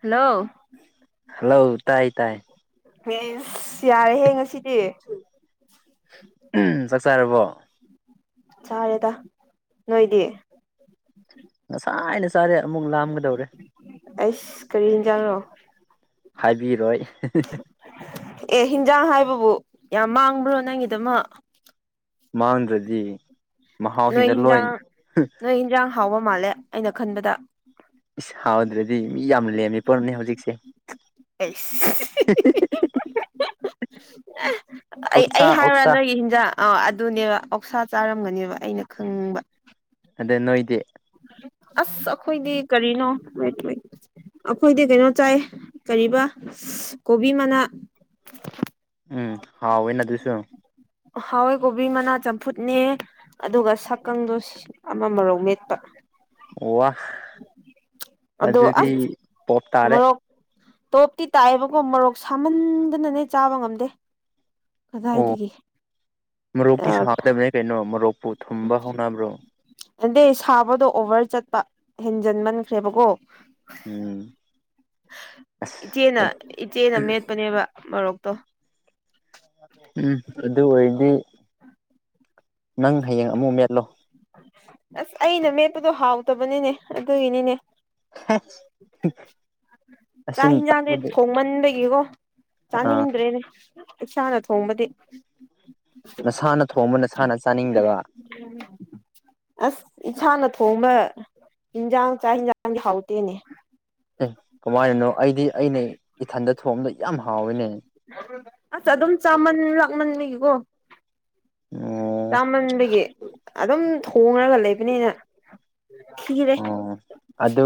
hello hello ꯇꯥꯏ ꯇꯥꯏ ꯑꯁ ꯌꯥꯔꯦ ꯍꯌꯦꯉꯁꯤꯗꯤ ꯋꯥꯛ ꯋꯕꯥꯔꯣ ꯆꯥꯔꯦꯗ ꯅꯣꯏꯗꯤ ꯉꯁꯥꯏ ꯍꯥꯏꯅ ꯆꯥꯔꯦ ꯑꯃꯨꯛ ꯂꯥꯝꯒꯗꯧꯔꯦ ꯑꯩꯁ ꯀꯔꯤ ꯌꯦꯟꯖꯡꯂꯣ ꯍꯥꯏꯕꯤꯔꯣꯏ ꯑꯦ ꯍꯤꯟꯖꯥꯡ ꯍꯥꯏꯕꯕꯨ ꯌꯥꯝ ꯃꯥꯡꯕ꯭ꯔꯣ ꯅꯪꯒꯤꯗꯃꯛ ꯃꯥꯡꯗ꯭ꯔꯗꯤ ꯅꯣꯏ ꯃꯍꯥꯎꯁꯤꯡꯗ ꯂꯣꯏ ꯌꯦꯟꯖꯥꯡ ꯅꯣꯏ ꯌꯦꯟꯖꯥꯡ ꯍꯥꯎꯕ ꯃꯥꯜꯂꯦ ꯑꯩꯅ ꯈꯟꯕꯗ ꯏꯁ ꯍꯥꯎꯗ꯭ꯔꯗꯤ ꯃꯤ ꯌꯥꯝ ꯂꯦꯝꯃꯤ ꯄꯣꯠꯅꯤ ꯍꯧꯖꯤꯛꯁꯦ ꯑꯩꯁ [unintelligible] ꯑꯩ ꯑꯣꯛꯁꯥ ꯑꯩ ꯍꯥꯏꯔꯨꯔꯥ ꯑꯣꯛꯁꯥ ꯅꯣꯏꯒꯤ ꯍꯤꯟꯖꯥꯡ ꯑ ꯑꯗꯨꯅꯦꯕ ꯑꯣꯛꯁꯥ ꯆꯥꯔꯝꯒꯅꯦꯕ ꯑꯩꯅ ꯈꯪꯕ ꯑꯗꯨ ꯅꯣꯏꯗꯤ ꯑꯁ ꯑꯩꯈꯣꯏꯗꯤ ꯀꯔꯤꯅꯣ [unintelligible] ꯑꯩꯈꯣꯏꯗꯤ ꯀꯩꯅꯣ ꯆꯥꯏ ꯀꯔꯤꯕ ꯀꯣꯕꯤ ꯃꯅꯥ ꯎꯝ ꯍꯥꯎꯋ‌ꯦꯅ ꯑꯗꯨꯁꯨ ꯍꯋꯥꯏ ꯀꯣꯕꯤ ꯃꯅꯥ ꯆꯝꯐꯨꯠꯅꯦ ꯑꯗꯨꯒ ꯁꯛꯀꯪꯗꯣ ꯑꯃ ꯃꯣꯔꯣꯛ ꯃꯦꯠꯄ ꯋꯥ ꯑꯗꯣ ꯑꯗꯨꯗꯤ ꯑꯁ ꯄꯣꯞ ꯇꯥꯔꯦ ꯃꫭꯔꫭꯛ ꯇꯣꯞꯇꯤ ꯇꯥꯏꯑꯦꯕꯀꯣ ꯃꫭꯔꯣꯛ ꯁꯥꯃꯟꯗꯅꯅꯦ ꯆꯥꯕ ꯉꯝꯗꯦ ꯑꯣ ꯀꯗꯥꯏꯗꯒꯤ ꯃꯣꯔꯣꯛꯇꯤ ꯁꯥꯗꯕꯅꯦ ꯀꯩꯅꯣ ꯃꯣꯔꯣꯛꯄꯨ ꯊꯨꯝꯕ ꯍꯧꯅꯕ꯭ꯔꯣ ꯑꯗꯩ ꯁꯥꯕꯗꯣ ꯑꯣꯚꯔ ꯆꯠꯄ ꯍꯦꯟꯖꯟꯃꯟꯈ꯭ꯔꯦꯕꯀꯣ ꯎꯝ ꯑꯁ ꯏꯆꯦꯅ ꯏꯆꯦꯅ ꯃꯦꯠꯄꯅꯦꯕ ꯃꯔꯣꯛꯇꯣ ꯎꯝ ꯑꯗꯨ ꯑꯣꯏꯔꯗꯤ ꯅꯪ ꯍꯌꯦꯡ ꯑꯃꯨꯛ ꯃꯦꯠꯂꯣ ꯑꯁ ꯑꯩꯅ ꯃꯦꯠꯄꯗꯣ ꯍꯥꯎꯇꯕꯅꯤꯅꯦ ꯑꯗꯨꯒꯤꯅꯤꯅꯦ [unintelligible] ꯆꯥꯛ ꯑꯁꯤꯅ ꯌꯦꯟꯁꯥꯡꯁ‌ꯦ ꯇꯥꯛꯄꯗꯤ ꯊꯣꯡꯃꯟꯕꯒꯤꯀꯣ ꯑꯥ ꯆꯥꯅꯤꯡꯗ꯭ꯔꯦꯅꯦ ꯏꯁꯥꯅ ꯊꯣꯡꯕꯗꯤ ꯅꯁꯥꯅ ꯊꯣꯡꯕ ꯅꯁꯥꯅ ꯆꯥꯅꯤꯡꯗꯕ [unintelligible] ꯑꯁ ꯏꯁꯟꯥꯅ ꯊꯣꯡꯕ ꯌꯦꯟꯁꯥꯡ ꯆꯥꯛ ꯌꯦꯟꯁꯥꯡꯗꯤ ꯍꯥꯎꯇꯦꯅꯦ ꯑꯦ ꯀꯃꯥꯏꯅꯅꯣ ꯑꯩꯗꯤ ꯑꯩꯅ ꯏꯊꯟꯗ ꯊꯣꯡꯕꯗꫭ ꯌꯥꯝ ꯍꯥꯎꯋꯤꯅꯦ ꯑꯁ ꯑꯗꯨꯝ ꯆꯥꯃꯟ ꯂꯥꯛꯃꯟꯕꯒꯤꯀꯣ ꯑꯣ ꯆꯥꯃꯟꯕꯒꯤ ꯑꯗꯨꯝ ꯊꯣꯡꯉꯒ ꯂꯩꯕꯅꯤꯅ ꯈꯤꯔꯦ ꯑꯣ ꯑꯗꯨ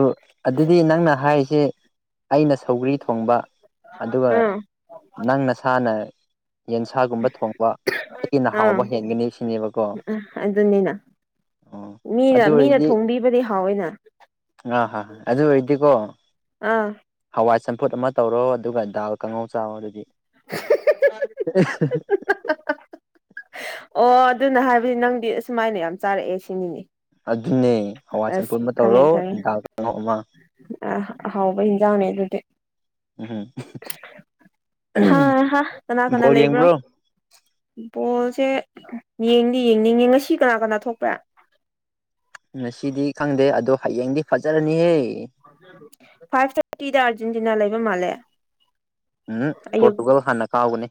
ꯑꯗꯨꯗꯤ ꯅꯪꯅ ꯍꯥꯏꯔꯤꯁ‌ꯦ ꯑꯩꯅ ꯁꯧꯒ꯭ꯔꯤ ꯊꯣꯡꯕ ꯑꯗꯨꯒ ꯑꯥ ꯅꯪ ꯅꯁꯥꯅ ꯌꯦꯟꯁꯥꯒꯨꯝꯕ ꯊꯣꯡꯕ ꯑꯩꯅ ꯑꯥ ꯍꯥꯎꯕ ꯍꯦꯟꯒꯅꯤ ꯁꯤꯅꯦꯕꯀꯣ ꯑ ꯑꯗꯨꯅꯤꯅ ꯑꯣ ꯑꯗꯨ ꯃꯤꯅ ꯃꯤꯅ ꯑꯣꯏꯔꯗꯤ ꯊꯣꯡꯕꯤꯕꯗꯤ ꯍꯥꯎꯋꯤꯅ ꯑꯥ ꯍꯥ ꯑꯗꯨ ꯑꯣꯏꯔꯥꯗꯤꯀꯣ ꯑꯥ ꯍꯋꯥꯏ ꯆꯝꯐꯨꯠ ꯑꯃ ꯇꯧꯔꯣ ꯑꯗꯨꯒ ꯗꯥꯜ ꯀꯥꯡꯉꯧ ꯆꯥꯎ ꯑꯗꯨꯗꯤ ꯑꯣ ꯑꯗꯨꯅ ꯍꯥꯏꯕꯗꯤ ꯅꯪꯗꯤ ꯑꯁꯨꯃꯥꯏꯅ ꯌꯥꯝ ꯆꯥꯔꯛꯑꯦ ꯁꯤꯅꯤꯅꯦ ꯑꯗꯨꯅꯦ ꯍꯋꯥꯏ ꯑꯁ ꯆꯝꯐꯨꯠ ꯑꯃ ꯈꯪꯉꯦ ꯇꯧꯔꯣ ꯈꯪꯉꯦ ꯗꯥꯜ ꯀꯥꯡꯒꯧ ꯑꯃ ꯑ ꯑꯍꯥꯎꯕ ꯍꯟꯖꯥꯡꯅꯦ ꯑꯗꯨꯗꯤ ꯎꯝ ꯍꯨꯝ ꯍꯥ ꯍꯥ ꯀꯅꯥ ꯀꯅꯥ ꯕꯣꯜ ꯂꯩꯕ꯭ꯔꯣ ꯌꯦꯡꯕ꯭ꯔꯣ ꯕꯣꯜꯁꯦ ꯌꯦꯡꯗꯤ ꯌꯦꯡꯅꯤꯡꯉꯦ ꯉꯁꯤ ꯀꯅꯥ ꯀꯅꯥ ꯊꯣꯛꯄ꯭ꯔꯥ ꯉꯁꯤꯗꯤ ꯈꯪꯗꯦ ꯑꯗꯣ ꯍꯌꯦꯡꯗꯤ ꯐꯖꯔꯅꯤꯍꯦ ꯐꯥꯏꯚ ꯊꯥꯔꯇꯤꯗ ꯑꯥꯔꯖꯦꯟꯇꯤꯅꯥ ꯂꯩꯕ ꯃꯥꯜꯂꯦ ꯍꯝ ꯍꯝ ꯑꯌꯨꯛ ꯄꯣꯔꯇꯨꯒꯜ ꯍꯥꯟꯅ ꯀꯥꯎꯒꯅꯤ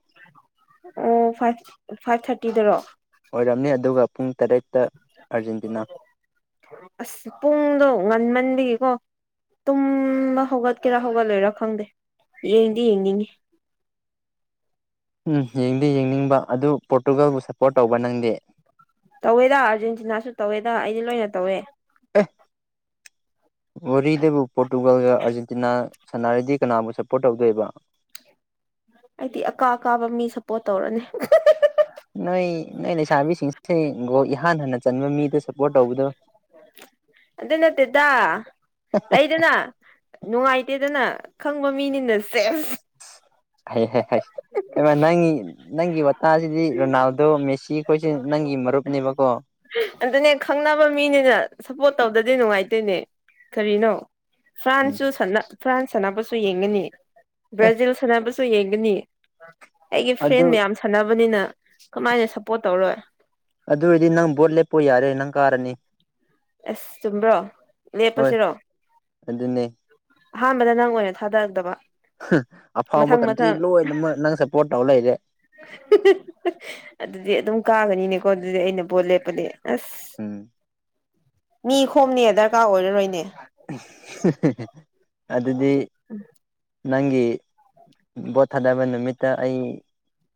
ꯑꯣ ꯐꯥꯏꯚ ꯐꯥꯏꯚ ꯊꯥꯔꯇꯤꯗꯔꯣ ꯑꯣꯏꯔꯝꯅꯤ ꯑꯗꯨꯒ ꯄꯨꯡ ꯇꯔꯦꯠꯇ ꯑꯥꯔꯖꯦꯟꯇꯤꯅꯥ ꯑꯁ ꯄꯨꯡꯗꯣ ꯉꯟꯃꯟꯂꯤꯀꯣ ꯇꯨꯝꯕ ꯍꯧꯒꯠꯀꯦꯔꯥ ꯍꯧꯒꯠꯂꯣꯏꯔꯥ ꯈꯪꯗꯦ ꯌꯦꯡꯗꯤ ꯌꯦꯡꯅꯤꯡꯉꯤ ꯎꯝ ꯌꯦꯡꯗꯤ ꯌꯦꯡꯅꯤꯡꯕ ꯑꯗꯨ ꯄꯣꯔꯇꯨꯒꯥꯜꯕꯨ ꯁꯞꯄꯣꯔꯠ ꯇꯧꯕ ꯅꯪꯗꯤ ꯇꯧꯋꯦꯗ ꯑꯥꯔꯖꯦꯟꯇꯤꯅꯥꯁꯨ ꯇꯧꯋꯦꯗ ꯑꯩꯗꯤ ꯂꯣꯏꯅ ꯇꯧꯋꯦ ꯑꯦ ꯋꯥꯔꯤꯗꯕꯨ ꯄꯣꯔꯇꯨꯒꯥꯜꯒ ꯑꯥꯔꯖꯦꯟꯇꯤꯅꯥ ꯁꯥꯟꯅꯔꯗꯤ ꯀꯅꯥꯕꯨ ꯁꯞꯄꯣꯔꯠ ꯇꯧꯗꯣꯏꯕ ꯑꯩꯗꯤ ꯑꯀꯥ ꯑꯀꯥꯕ ꯃꯤ ꯁꯞꯄꯣꯔꯠ ꯇꯧꯔꯅꯤ ꯅꯣꯏ ꯅꯣꯏ ꯂꯩꯁꯥꯕꯤꯁꯤꯡꯁꯦ ꯒꯣꯂ ꯏꯍꯥꯟ ꯍꯥꯟꯅ ꯆꯟꯕ ꯃꯤꯗꯁꯨ ꯑꯗꯨ ꯅꯠꯇꯦꯗ ꯂꯩꯗꯅ ꯅꯨꯡꯉꯥꯏꯇꯦꯗꯅ ꯈꯪꯕ ꯃꯤꯅꯤꯅ ꯁꯦꯁ [unintelligible] ꯍꯩ ꯍꯩ ꯍꯩ ꯍꯩꯃꯥ ꯅꯡ ꯅꯪꯒꯤ ꯋꯥ ꯁꯤꯗꯤ ꯔꯣꯅꯥꯜꯗꯣ ꯃꯦꯁꯤ ꯑꯩꯈꯣꯏꯁꯤ ꯅꯪꯒꯤ ꯃꯔꯨꯞꯅꯦꯕꯀꯣ ꯍꯥ ꯑꯗꯨꯅꯦ ꯈꯪꯅꯕ ꯃꯤꯅꯤꯅ ꯁꯞꯄꯣꯔꯠ ꯇꯧꯗꯗꯤ ꯅꯨꯡꯉꯥꯏꯇꯦꯅꯦ ꯀꯔꯤꯅꯣ ꯎꯝ ꯐ꯭ꯔꯥꯟꯁꯁꯨ ꯁꯟꯅ ꯐ꯭ꯔꯥꯟꯁ ꯁꯥꯟꯅꯕꯁꯨ ꯌꯦꯡꯉꯅꯤ ꯑꯦ ꯕ꯭ꯔꯥꯖꯤꯜ ꯁꯥꯟꯅꯕꯁꯨ ꯁꯨ ꯌꯦꯡꯒꯅꯤ ꯑꯩꯒꯤ ꯐ꯭ꯔꯦꯟ ꯑꯗꯨ ꯃꯌꯥꯝ ꯁꯥꯟꯅꯕꯅꯤꯅ ꯀꯃꯥꯏꯅ ꯁꯞꯄꯣꯔꯠ ꯇꯧꯔꯣꯏ ꯑꯗꯨ ꯑꯣꯏꯔꯗꯤ ꯅꯪ ꯕꯣꯠ ꯂꯦꯞꯄꯣ ꯌꯥꯔꯦ ꯅꯪ ꯀꯥꯔꯅꯤ ꯑꯁ ꯆꯨꯝꯕ꯭ꯔꯣ ꯍꯣꯏ ꯂꯦꯞꯄꯁꯤꯔꯣ ꯑꯗꯨꯅꯦ ꯑꯍꯥꯟꯕꯗ ꯅꯪ ꯑꯣꯏꯅ ꯊꯥꯗꯔꯛꯇꯕ ꯑꯐꯥꯎꯕ ꯃꯊꯪ ꯀꯟꯇ꯭ꯔꯤ ꯃꯊꯪ ꯂꯣꯏꯅꯃꯛ ꯅꯪ ꯁꯞꯄꯣꯔꯠ ꯇꯧ ꯂꯩꯔꯦ ꯑꯗꯨꯗꯤ ꯑꯗꯨꯝ ꯀꯥꯒꯅꯤꯅꯦꯀꯣ ꯑꯗꯨꯗꯤ ꯑꯩꯅ ꯕꯣꯠ ꯂꯦꯞꯄꯗꯤ ꯑꯁ ꯎꯝ ꯃꯤ ꯈꯣꯝꯅꯦ ꯗꯔꯀꯥꯔ ꯑꯣꯏꯔꯔꯣꯏꯅꯦ ꯍꯤ ꯍꯤ ꯍꯤ ꯑꯗꯨꯗꯤ ꯅꯪꯒꯤ ꯕꯣꯠ ꯊꯥꯗꯕ ꯅꯨꯃꯤꯠꯇ ꯑꯩ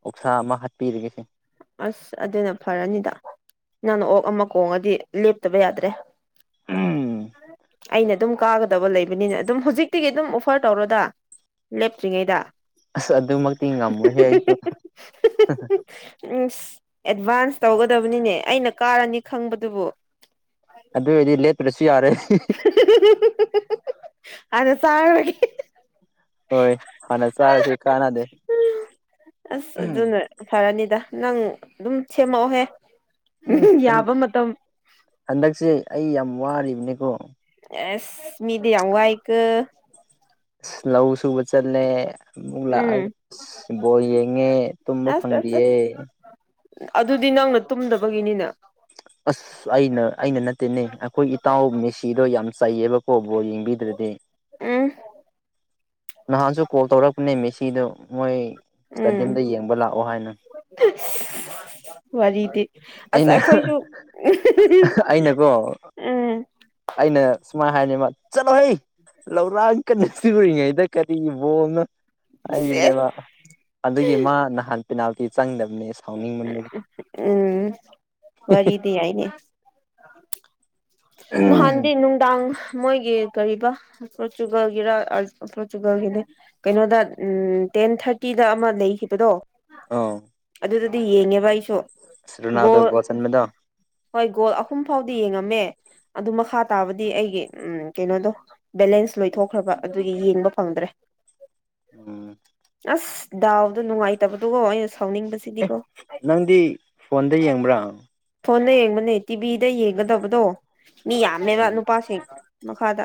ꯑꯣꯛꯁꯥ ꯑꯃ ꯍꯥꯞꯄꯤꯔꯒꯦꯁꯦ ꯑꯁ ꯑꯗꯨꯅ ꯐꯔꯅꯤꯗ ꯅꯪꯅ ꯑꯣꯛ ꯑꯃ ꯀꯣꯡꯉꯗꯤ ꯂꯦꯞꯇꯕ ꯌꯥꯗ꯭ꯔꯦ ꯑ ꯎꯝ ꯑꯩꯅ ꯑꯗꯨꯝ ꯀꯥꯒꯗꯕ ꯂꯩꯕꯅꯤꯅ ꯑꯗꯨꯝ ꯍꯧꯖꯤꯛꯇꯤꯒꯤ ꯑꯗꯨꯝ ꯑꯣꯐꯔ ꯇꯧꯔꯣꯗ ꯂꯦꯞꯇ꯭ꯔꯤꯉꯩꯗ ꯑꯁ ꯑꯗꯨꯃꯛꯇꯤ ꯉꯝꯃꯣꯏꯍꯦ ꯑꯩꯗꯨ ꯎꯝꯁ ꯑꯦꯗꯚꯥꯟꯁ ꯇꯧꯒꯗꯕꯅꯤꯅꯦ ꯑꯩꯅ ꯀꯥꯔꯅꯤ ꯈꯪꯕꯗꯨꯕꯨ ꯑꯗꯨ ꯑꯣꯏꯔꯗꯤ ꯂꯦꯞꯇ꯭ꯔꯁꯨ ꯌꯥꯔꯦ ꯑꯥꯗ ꯆꯔꯨꯔꯒꯦ ꯍꯣꯏ ꯍꯥꯟꯅ ꯆꯥꯔꯁꯤ ꯀꯥꯅꯗꯦ ꯑꯁ ꯑꯗꯨꯅ ꯐꯔꯅꯤꯗ ꯅꯪ ꯑꯗꯨꯝ ꯁꯦꯝꯃꯛꯑꯣꯍꯦ ꯎꯝ ꯍꯟ ꯌꯥꯕ ꯃꯇꯝ ꯍꯟꯗꯛꯁꯦ ꯑꯩ ꯌꯥꯝ ꯋꯥꯔꯤꯕꯅꯤꯀꯣ ꯑꯦꯁ ꯃꯤꯗꯤ ꯌꯥꯝ ꯋꯥꯏꯀꯣ ꯂꯧ ꯁꯨꯕ ꯆꯠꯂꯦ ꯑꯃꯨꯛ ꯂꯥꯛꯑꯒ ꯎꯝ ꯕꯣꯜ ꯌꯦꯡꯉꯦ ꯇꯨꯝꯕ ꯑꯁ ꯑꯁ ꯐꯪꯗꯤꯌꯦ ꯑꯁ ꯑꯗꯨꯗꯤ ꯅꯪꯅ ꯇꯨꯝꯗꯕꯒꯤꯅꯤꯅ ꯑꯁ ꯑꯩꯅ ꯑꯩꯅ ꯅꯠꯇꯦꯅꯦ ꯑꯩꯈꯣꯏ ꯏꯇꯥꯎ ꯃꯦꯁꯤꯗꯣ ꯌꯥꯝ ꯆꯩꯌꯦꯕꯀꯣ ꯕꯣꯜ ꯌꯦꯡꯕꯤꯗ꯭ꯔꯗꯤ ꯎꯝ ꯅꯍꯥꯟꯁꯨ ꯀꯣꯜ ꯇꯧꯔꯛꯄꯅꯦ ꯃꯦꯁꯤꯗ ꯃꯣꯏ ꯎꯝ ꯏꯁꯇꯥꯗꯤꯌꯝꯗ ꯌꯦꯡꯕ ꯂꯥꯛꯑꯣ ꯍꯥꯏꯅ ꯋꯥꯔꯤꯗꯤ ꯑꯁ ꯑꯩꯅ ꯑꯩꯈꯣꯏꯁꯨ ꯑꯩꯅꯀꯣ ꯎꯝ ꯑꯩꯅ ꯁꯨꯃꯥꯏ ꯍꯥꯏꯕ ꯆꯠꯂꯣꯍꯦ ꯂꯧꯔꯥꯡ ꯀꯟꯅ ꯁꯤꯔꯤꯉꯩꯗ ꯀꯔꯤꯒꯤ ꯕꯣꯜꯅꯣ ꯁꯦꯁ ꯍꯥꯏꯔꯤꯕꯅꯦꯕ ꯑꯗꯨꯒꯤ ꯃꯥ ꯅꯍꯥꯟ ꯄꯦꯅꯥꯜꯇꯤ ꯆꯪꯗꯕꯅꯦ ꯁꯥꯎꯅꯤꯡꯃꯟꯕꯒꯤ ꯎꯝ ꯋꯥꯔꯤꯗꯤ ꯌꯥꯏꯍꯦ ꯅꯍꯥꯟꯗꯤ ꯅꯨꯡꯗꯥꯡ ꯃꯣꯏꯒꯤ ꯀꯔꯤꯕ ꯄꯔꯣꯇꯨꯒꯜꯒꯤꯔ ꯑꯔꯖꯦꯟꯇꯤꯅꯒꯤꯔ ꯀꯩꯅꯣꯗ ꯎꯝ ꯇꯦꯟ ꯊꯥꯔꯇꯤꯗ ꯑꯃ ꯂꯩꯈꯤꯕꯗꯣ ꯑꯥꯎ ꯑꯗꯨꯗꯗꯤ ꯌꯦꯡꯉꯦꯕ ꯑꯩꯁꯨ ꯒꯣ ꯔꯣꯅꯥꯜꯗꯣ ꯒꯣꯜ ꯆꯟꯕꯗꯣ ꯍꯣꯏ ꯒꯣꯜ ꯑꯍꯨꯝ ꯐꯥꯎꯗꯤ ꯌꯦꯡꯉꯝꯃꯦ ꯑꯗꯨ ꯃꯈꯥ ꯇꯥꯕꯗꯤ ꯑꯩꯒꯤ ꯎꯝ ꯀꯩꯅꯣꯗꯣ ꯕꯦꯂꯦꯟꯁ ꯂꯣꯏꯊꯣꯛꯈ꯭ꯔꯕ ꯑꯗꯨꯒꯤ ꯌꯦꯡꯕ ꯐꯪꯗ꯭ꯔꯦ ꯎꯝ ꯑꯁ ꯗꯥꯎꯗ ꯅꯨꯡꯉꯥꯏꯇꯕꯗꯨꯒꯣ ꯑꯩꯅ ꯁꯥꯎꯅꯤꯡꯕꯁ ꯑꯦ ꯅꯪꯗꯤ ꯐꯣꯟꯗ ꯌꯦꯡꯕ꯭ꯔꯥ ꯐꯣꯟꯅ ꯌꯦꯡꯕꯅꯦ ꯇꯤꯚꯤꯗ ꯌꯦꯡꯒꯗꯕꯗꯣ ꯃꯤ ꯌꯥꯝꯃꯦꯕ ꯎꯝ ꯅꯨꯄꯥꯁꯤꯡ ꯃꯈꯥꯗ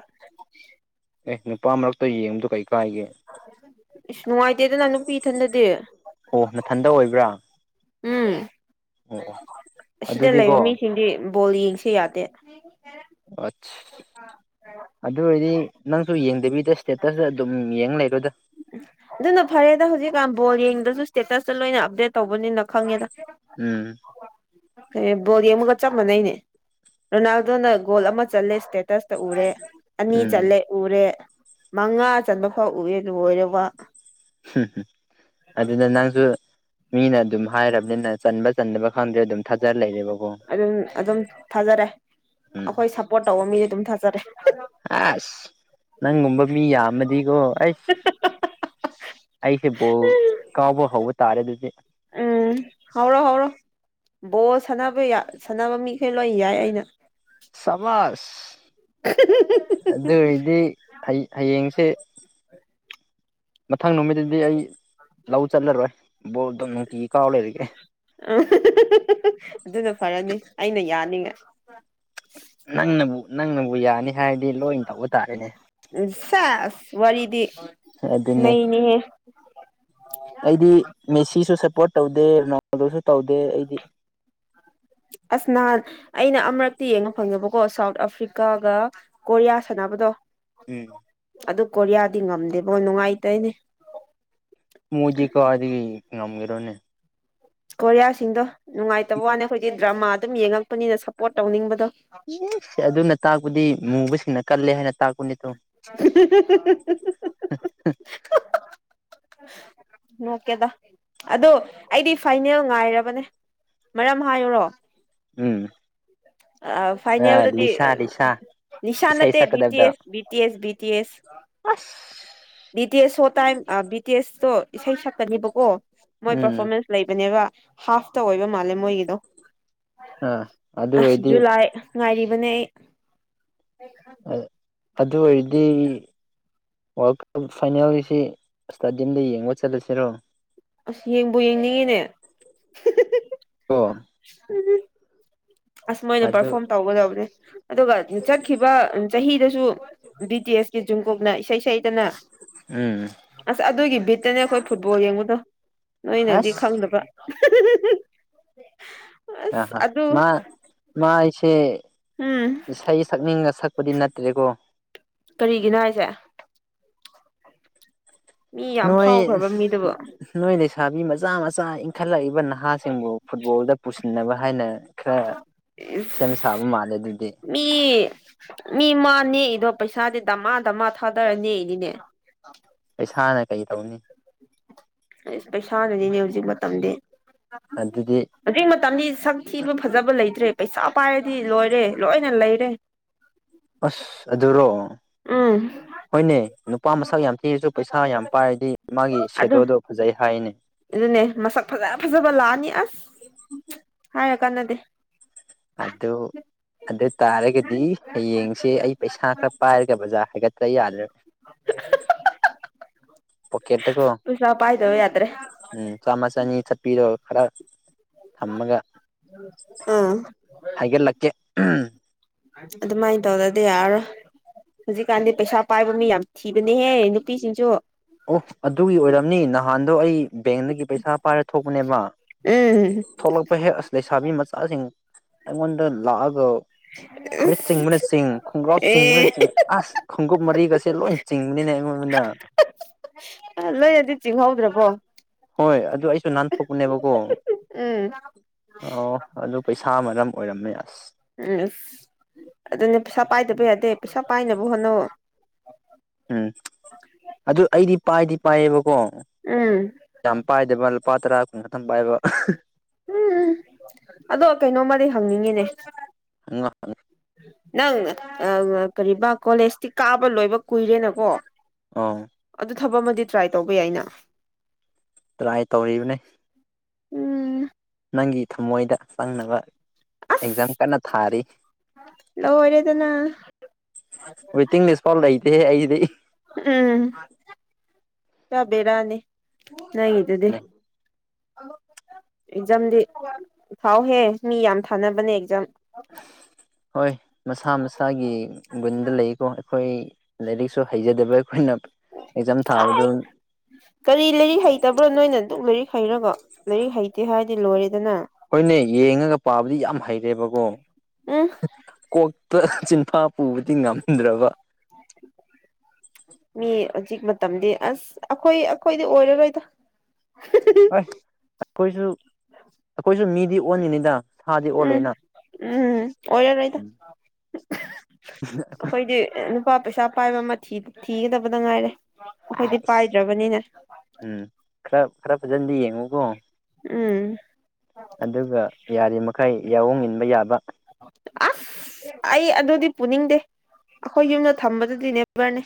ꯑꯦ ꯅꯨꯄꯥ ꯃꯔꯛꯇ ꯌꯦꯡꯕꯗ ꯀꯩ ꯀꯥꯏꯒꯦ ꯑꯁ ꯅꯨꯡꯉꯥꯏꯇꯦꯗꯅ ꯅꯨꯄꯤ ꯏꯊꯟꯗꯗꯤ ꯑꯣ ꯅꯊꯟꯗ ꯑꯣꯏꯕ꯭ꯔꯥ ꯑꯣ ꯎꯝ ꯑꯣ ꯑꯁꯤꯗ ꯂꯩꯕ ꯑꯗꯨꯗꯤꯀꯣ ꯃꯤꯁꯤꯡꯗꯤ ꯕꯣꯜ ꯌꯦꯡꯁ ꯌꯥꯗꯦ ꯑ ꯑꯗꯨ ꯑꯣꯏꯔꯗꯤ ꯅꯪꯁꯨ ꯌꯦꯡꯗꯕꯤꯗ ꯁ꯭ꯇꯦꯇꯁ ꯑꯗꯨꯝ ꯌꯦꯡ ꯂꯩꯔꯣꯏꯗ ꯑꯗꯨꯅ ꯐꯔꯦꯗ ꯍꯧꯖꯤꯛꯀꯥꯟ ꯕꯣꯜ ꯌꯦꯡꯗꯁꯨ ꯏꯁꯇꯦꯇꯁꯇ ꯂꯣꯏꯅ ꯑꯞꯗꯦꯠ ꯇꯧꯕꯅꯤꯅ ꯈꯪꯉꯦꯗ ꯎꯝ ꯕꯣꯔꯤ ꯑꯃꯒ ꯆꯞ ꯃꯥꯟꯅꯩꯅꯦ ꯔꯣꯅꯥꯜꯗꯣꯅ ꯒꯣꯜ ꯑꯃ ꯆꯠꯂꯦ ꯏꯁꯇꯦꯇꯁ ꯇ ꯎꯔꯦ ꯑꯅꯤ ꯎꯝ ꯆꯜꯂꯦ ꯎꯔꯦ ꯃꯉꯥ ꯆꯟꯕ ꯐꯥꯎ ꯎꯔꯦ ꯂꯣꯏꯔꯕ ꯍꯝ ꯍꯝ ꯑꯗꯨꯅ ꯅꯪꯁꯨ ꯃꯤꯅ ꯑꯗꯨꯝ ꯍꯥꯏꯔꯕꯅꯤꯅ ꯆꯟꯕ ꯆꯟꯗꯕ ꯈꯪꯗ꯭ꯔꯦ ꯑꯗꯨꯝ ꯊꯥꯖꯔ ꯂꯩꯔꯦꯕꯀꯣ ꯑꯗꯨꯝ ꯑꯗꯨꯝ ꯊꯥꯖꯔꯦ ꯎꯝ ꯑꯩꯈꯣꯏ ꯁꯞꯄꯣꯔꯠ ꯇꯧꯕ ꯃꯤꯁꯦ ꯑꯗꯨꯝ ꯊꯥꯖꯔꯦ ꯑꯁ ꯅꯪꯒꯨꯝꯕ ꯃꯤ ꯌꯥꯝꯃꯗꯤꯀꯣ ꯑꯩꯁ ꯑꯩꯁꯦꯕꯨꯕꯣ ꯀꯥꯎꯕ ꯍꯧꯕ ꯇꯥꯔꯦ ꯑꯗꯨꯗꯤ ꯎꯝ ꯍꯧꯔꯣ ꯍꯧꯔꯣ ꯕꯣ ꯁꯥꯟꯅꯕ ꯁꯥꯟꯅꯕ ꯃꯤꯈꯩ ꯂꯣꯏ ꯌꯥꯏ ꯑꯩꯅ ꯁꯃꯖ ꯑꯗꯨ ꯑꯣꯏꯔꯗꯤ ꯍꯌꯦꯡꯁꯦ ꯃꯊꯪ ꯅꯨꯃꯤꯠꯇꯗꯤ ꯑꯩ ꯂꯧ ꯆꯠꯂꯔꯣꯏ ꯕꯣꯔꯗꯣ ꯅꯨꯡꯇꯤꯒꯤ ꯀꯥꯎ ꯂꯩꯔꯒꯦ ꯑ ꯑꯗꯨꯅ ꯐꯔꯅꯤ ꯑꯩꯅ ꯌꯥꯅꯤꯡꯉ ꯅꯪꯅꯕꯨ ꯅꯪꯅꯕꯨ ꯌꯥꯅꯤ ꯍꯥꯏꯔꯗꯤ ꯂꯣꯏꯅ ꯇꯧꯕ ꯇꯥꯔꯦꯅꯦ ꯁꯥꯁ ꯋꯥꯔꯤꯗꯤ ꯑꯗꯨꯅꯦ ꯃꯅꯦ ꯑꯩꯗꯤ ꯃꯦꯁꯤꯁꯨ ꯁꯞꯄꯣꯔꯠ ꯇꯧꯗꯦ ꯔꯣꯅꯥꯜꯗꯣꯁꯨ ꯇꯧꯗꯦ ꯑꯩꯗꯤ [unintelligible] ꯑꯁꯅꯥꯍꯥꯟ ꯑꯩꯅ ꯑꯃꯨꯔꯛꯇ ꯌꯦꯡꯉ ꯐꯪꯉꯦꯕꯀꯣ ꯁꯥꯎꯠ ꯑꯐ꯭ꯔꯤꯀꯥꯒ ꯀꯣꯔꯤꯌꯥ ꯁꯥꯟꯅꯕꯗꯣ ꯎꯝ ꯑꯗꯨ ꯀꯣꯔꯤꯌꯥꯗꯤ ꯉꯝꯗꯦꯕꯣ ꯅꯨꯡꯉꯥꯏꯇꯣꯏꯅꯦ ꯃꯨꯖꯤ ꯀꯗ ꯉꯝꯒꯔ ꯀꯣꯔꯤꯌꯥꯁꯤꯡꯗꯣ ꯅꯨꯡꯉꯥꯏꯇꯕ ꯋꯥꯅꯦ ꯑꯩꯈꯣꯏꯗꯤ ꯗ꯭ꯔꯃꯥ ꯑꯗꯨꯝ ꯌꯦꯡꯉꯛꯄꯅꯤꯅ ꯁꯞꯄꯣꯔꯠ ꯇꯧꯅꯤꯡꯕꯗꯣ ꯑꯦꯁ ꯑꯗꯨꯅ ꯇꯥꯛꯄꯗꯤ ꯃꯨꯕꯁꯤꯡꯅ ꯀꯜꯂꯦ ꯍꯥꯏꯅ ꯇꯥꯛꯄꯅꯤꯗꯣ [unintelligible] ꯅꯣꯛꯀꯦꯗ ꯑꯗꯨ ꯑꯩꯗꯤ ꯐꯥꯏꯅꯦꯜ ꯉꯥꯏꯔꯕꯅꯦ ꯃꯔꯝ ꯍꯥꯏꯌꯨꯔꯣ ꯎꯝ ꯑ ꯑꯥ ꯐꯥꯏꯅꯦꯜꯗꯥꯗꯤ ꯂꯤꯁꯥ ꯂꯤꯁꯥ ꯏꯁꯩ ꯅꯤꯁꯥꯟꯠꯇ ꯕꯤ ꯇꯤ ꯁꯛꯀꯗꯕꯗꯣ S B T S B T S ꯑꯁ ꯕꯤ ꯇꯤ ꯑꯦꯁ ꯁꯣ ꯇꯥꯏꯝ ꯕꯤ ꯇꯤ ꯑꯦꯁꯇꯣ ꯏꯁꯩ ꯁꯛꯀꯅꯦꯕꯀꯣ ꯃꯣꯏ ꯎꯝ ꯄꯔꯐꯣꯔꯃꯦꯟꯁ ꯂꯩꯕꯅꯦꯕ ꯍꯥꯐꯇ ꯑꯣꯏꯕ ꯃꯥꯜꯂꯦ ꯃꯣꯏꯒꯤꯗꯣ ꯑꯥ ꯑꯗꯨ ꯑꯁ ꯑꯣꯏꯔꯗꯤ ꯖꯨꯂꯥꯏ ꯉꯥꯏꯔꯤꯕꯅꯦ ꯑꯩ ꯑꯗꯨ ꯑꯣꯏꯔꯗꯤ ꯋꯥꯔꯜ ꯀꯞ ꯐꯥꯏꯅꯦꯜꯁꯤ ꯏꯁꯇꯥꯗꯤꯌꯝꯗ ꯌꯦꯡꯕ ꯆꯠꯂꯁꯤꯔꯣ ꯑꯁ ꯌꯦꯡꯕꯨ ꯌꯦꯡꯅꯤꯡꯉꯤꯅꯦ ꯀꯣ ꯑꯁ ꯃꯣꯏꯅ ꯑꯗꯨ ꯄꯔꯐꯣꯝ ꯇꯧꯒꯗꯕꯅꯦ ꯑꯗꯨꯒ ꯆꯠꯈꯤꯕ ꯆꯍꯤꯗꯁꯨ ꯕꯤ ꯇꯤ ꯑꯦꯁ ꯀꯤ ꯖꯨꯡꯀꯨꯛꯅ ꯏꯁꯩ ꯁꯛꯏ ꯀꯅ ꯎꯝ ꯑꯁ ꯑꯗꯨꯒꯤ ꯕꯤꯠꯇꯅꯦ ꯑꯩꯈꯣꯏ ꯐꯨꯠꯕꯣꯜ ꯌꯦꯡꯕꯗꯣ ꯅꯣꯏꯅꯗꯤ ꯑꯁ ꯈꯪꯗꯕ ꯑꯁ ꯑꯗꯨ ꯍ ꯃꯥꯏ ꯁꯦ ꯎꯝ ꯏꯁꯩ ꯁꯛꯅꯤꯡꯒ ꯁꯛꯄꯗꯤ ꯅꯠꯇ꯭ꯔꯦꯀꯣ ꯀꯔꯤꯒꯤꯅꯣ ꯍꯥꯏꯁꯦ ꯃꯤ ꯌꯥꯝ ꯅꯣꯏ ꯐꯥꯎꯈ꯭ꯔꯕ ꯃꯤꯗꯨꯕꯨ ꯅꯣꯏ ꯂꯩꯁꯥꯕꯤ ꯃꯆꯥ ꯃꯆꯥ ꯏꯟꯈꯠꯂꯛꯏꯕꯅ ꯅꯍꯥꯁꯤꯡꯕꯨ ꯐꯨꯠꯕꯣꯜꯗ ꯄꯨꯁꯤꯟꯅꯕ ꯍꯥꯏꯅ ꯈꯔ ꯏꯁ ꯁꯦꯝ ꯁꯥꯕ ꯃꯥꯜꯂꯦ ꯑꯗꯨꯗꯤ ꯃꯤ ꯃꯤ ꯃꯥ ꯅꯦꯛꯏꯗꯣ ꯄꯩꯁꯥꯗꯤ ꯗꯃꯥ ꯗꯃꯥ ꯊꯥꯗꯔ ꯅꯦꯛꯏꯅꯤꯅꯦ ꯑ ꯄꯩꯁꯥꯅ ꯀꯩ ꯇꯧꯅꯤ ꯄꯩꯁꯥꯅꯅꯤꯅꯦ ꯍꯧꯖꯤꯛ ꯃꯇꯝꯗꯤ ꯑꯗꯨꯗꯤ ꯍꯧꯖꯤꯛ ꯃꯇꯝꯗꯤ ꯁꯛ ꯊꯤꯕ ꯐꯖꯕ ꯂꯩꯇ꯭ꯔꯦ ꯄꯩꯁꯥ ꯄꯥꯏꯔꯗꯤ ꯂꯣꯏꯔꯦ ꯂꯣꯏꯅ ꯂꯩꯔꯦ ꯑꯁ ꯑꯗꯨꯔꯣ ꯎꯝ ꯍꯣꯏꯅꯦ ꯅꯨꯄꯥ ꯃꯁꯛ ꯌꯥꯝ ꯊꯤꯔꯁꯨ ꯄꯩꯁꯥ ꯌꯥꯝ ꯄꯥꯏꯔꯗꯤ ꯃꯥꯒꯤ ꯑꯗꯨꯝ ꯁꯦꯗꯣꯗꯣ ꯐꯖꯩ ꯍꯥꯏꯅꯦ ꯑꯗꯨꯅꯦ ꯃꯁꯛ ꯐꯖ ꯐꯖꯕ ꯂꯥꯛꯑꯅꯤ ꯑꯁ ꯍꯥꯏꯔ ꯀꯥꯟꯅꯗꯦ ꯑꯗꯨ ꯑꯗꯨ ꯇꯥꯔꯒꯗꯤ ꯍꯌꯦꯡꯁꯦ ꯑꯩ ꯄꯩꯁꯥ ꯈꯔ ꯄꯥꯏꯔꯒ ꯕꯖꯥꯔ ꯍꯥꯏꯒꯠ꯭ꯇ ꯌꯥꯜꯗꯔꯦ ꯄꯣꯛꯦꯠ ꯎꯁ ꯄꯩꯁꯥ ꯄꯥꯏꯗꯕ ꯌꯥꯗ꯭ꯔꯦ ꯎꯝ ꯆꯥꯝꯃ ꯆꯅꯤ ꯆꯠꯄꯤꯔꯣ ꯈꯔ ꯊꯝꯃꯒ ꯑꯥ ꯍꯥꯏꯒꯂꯛꯀꯦ ꯎꯝ ꯑꯗꯨꯃꯥꯏꯅ ꯇꯧꯗꯗꯤ ꯌꯥꯔꯔꯣꯏ ꯍꯧꯖꯤꯛꯀꯥꯟꯗꯤ ꯄꯩꯁꯥ ꯄꯥꯏꯕ ꯃꯤ ꯌꯥꯝ ꯊꯤꯕꯅꯦꯍꯦ ꯅꯨꯄꯤꯁꯤꯡꯁꯨ ꯑꯣ ꯑꯗꯨꯒꯤ ꯑꯣꯏꯔꯝꯅꯤ ꯅꯍꯥꯟꯗꯣ ꯑꯩ ꯕꯦꯡꯗꯒꯤ ꯄꯩꯁꯥ ꯄꯥꯏꯔ ꯊꯣꯛꯄꯅꯦꯕ ꯎꯝ ꯊꯣꯛꯂꯛꯄ ꯍꯦꯛ ꯑꯁ ꯂꯩꯁꯥꯕꯤ ꯃꯆꯥꯁꯤꯡ ꯑꯩꯉꯣꯟꯗ ꯂꯥꯛꯑꯒ ꯐꯨꯔꯤꯠ ꯆꯤꯡꯕꯅ ꯆꯤꯡ ꯈꯣꯡꯒ꯭ꯔꯥꯎ ꯑꯦ ꯆꯤꯡꯕꯅ ꯆꯤꯡ ꯑꯁ ꯈꯣꯡꯎꯞ ꯃꯔꯤꯒꯁꯦ ꯂꯣꯏ ꯆꯤꯡꯕꯅꯤꯅꯦ ꯑꯩꯉꯣꯟꯅ ꯂꯣꯏꯅꯗꯤ ꯆꯤꯡꯍꯧꯗ꯭ꯔꯕꯣ ꯍꯣꯏ ꯑꯗꯨ ꯑꯩꯁꯨ ꯅꯥꯟꯊꯣꯛꯄꯅꯦꯕꯀꯣ ꯎꯝ ꯑꯣ ꯑꯗꯨ ꯄꯩꯁꯥ ꯃꯔꯝ ꯑꯣꯏꯔꯝꯃꯦ ꯑꯁ ꯎꯝ ꯑꯗꯨꯅꯦ ꯄꯩꯁꯥ ꯄꯥꯏꯗꯕ ꯌꯥꯗꯦ ꯄꯩꯁꯥ ꯄꯥꯏꯅꯕ ꯍꯣꯠꯅꯧ ꯎꯝ ꯑꯗꯨ ꯑꯩꯗꯤ ꯄꯥꯏꯗꯤ ꯄꯥꯏꯌꯦꯕꯀꯣ ꯎꯝ ꯌꯥꯝ ꯄꯥꯏꯗꯕ ꯂꯨꯄꯥ ꯇꯔꯥ ꯀꯨꯟ ꯈꯥꯊꯪ ꯄꯥꯏꯕ ꯎꯝ ꯑꯗꯣ ꯀꯩꯅꯣꯝꯃꯗꯤ ꯍꯪꯅꯤꯡꯉꯤꯅꯦ ꯍ [unintelligible] ꯅꯪ ꯀꯔꯤꯕ ꯀꯣꯂꯦꯖꯇꯤ ꯀꯥꯕ ꯂꯣꯏꯕ ꯀꯨꯏꯔꯦꯅꯀꯣ ꯑꯧ ꯑꯗꯨ ꯊꯕꯛ ꯑꯃꯗꯤ ꯇ꯭ꯔꯥꯏ ꯇꯧꯕ ꯌꯥꯏꯅ ꯇ꯭ꯔꯥꯏ ꯇꯧꯔꯤꯕꯅꯦ ꯎꯝ ꯅꯪꯒꯤ ꯊꯝꯃꯣꯏꯗ ꯆꯪꯅꯕ ꯑꯦꯛꯖꯥꯝ ꯑꯁ ꯀꯟꯅꯥ ꯊꯥꯔꯤ ꯂꯣꯏꯔꯦꯗꯅ ꯋꯥꯏꯇꯤꯡꯂꯤꯁ ꯐꯥꯎ ꯂꯩꯇꯦ ꯑꯩꯒꯤꯗꯤ ꯎꯝ ꯄꯨꯔꯥ ꯕ‌ꯦꯔꯥꯅꯤ ꯅꫭꯏꯒꯤꯗꯨꯗꯤ ꯑꯦꯛꯖꯥꯝꯗꯤ ꯊꯥꯎꯍꯦ ꯃꯤ ꯌꯥꯝ ꯊꯥꯅꯕꯅꯦ ꯑꯦꯛꯖꯥꯝ ꯍꯣꯏ ꯃꯁꯥ ꯃꯁꯥꯒꯤ ꯒꯨꯟꯗ ꯂꯩꯀꯣ ꯑꯩꯈꯣꯏ ꯂꯥꯏꯔꯤꯛꯁꯨ ꯍꯩꯖꯗꯕ ꯑꯩꯈꯣꯏꯅ ꯑꯦꯛꯖꯥꯝ ꯊꯥꯕꯗꯣ ꯀꯥꯏ ꯀꯔꯤ ꯂꯥꯏꯔꯤꯛ ꯍꯩꯇꯕ꯭ꯔꯣ ꯅꯣꯏꯅ ꯑꯗꯨꯛ ꯂꯥꯏꯔꯤꯛ ꯍꯩꯔꯒꯥ ꯂꯥꯏꯔꯤꯛ ꯍꯩꯇꯦ ꯍꯥꯏꯔꯗꯤ ꯂꯣꯏꯔꯦꯗꯅ ꯍꯣꯏꯅꯦ ꯌꯦꯡꯉꯒ ꯄꯥꯕꯗꯤ ꯌꯥꯝ ꯍꯩꯔꯦꯕꯀꯣ ꯎꯝ ꯀꯣꯛ ꯆꯤꯟꯐꯥ ꯄꯨꯕꯗꯤ ꯉꯝꯗ꯭ꯔꯕꯥ ꯃꯤ ꯍꯧꯖꯤꯛ ꯃꯇꯝꯗꯤ ꯑꯁ ꯑꯩꯈꯣꯏ ꯑꯩꯈꯣꯏꯗꯤ ꯑꯣꯏꯔꯔꯣꯏꯗ ꯍꯣꯏ ꯑꯩꯈꯣꯏꯁꯨ ꯑꯩꯈꯣꯏꯁꯨ ꯃꯤꯗꯤ ꯑꯣꯟꯒꯅꯤꯗ ꯁꯥꯗꯤ ꯎꯝ ꯑꯣꯜꯂꯣꯏꯅ ꯎꯝ ꯑꯣꯏꯒꯅꯤꯗ ꯑꯈꫭꯏꯗꯤ ꯎꯝ ꯅꯨꯄꯥ ꯄꯩꯁꯥ ꯄꯥꯏꯕ ꯑꯃꯥ ꯊꯤꯒꯗꯕꯗ ꯉꯥꯏꯔꯦ ꯑꯩꯈꯣꯏꯗꯤ ꯍꯥꯏꯁ ꯄꯥꯏꯗ꯭ꯔꯕꯅꯤꯅꯥ ꯎꯝ ꯈꯔ ꯈꯔ ꯐꯖꯥꯅꯗꯤ ꯌꯦꯡꯉꯨꯀꯣ ꯎꯝ ꯑꯗꯨꯒ ꯌꯥꯔꯤꯃꯈꯩ ꯌꯥꯑꫭꯡ ꯏꯟꯕ ꯌꯥꯕ ꯑꯁ ꯑꯩ ꯑꯗꯨꯗꯤ ꯄꯨꯅꯤꯡꯗꯦ ꯑꯩꯈꯣꯏ ꯌꯨꯝꯗ ꯊꯝꯕꯗꯨꯗꯤ ꯅꯦꯕꯔꯅꯦ